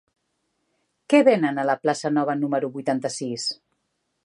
Què venen a la plaça Nova número vuitanta-sis?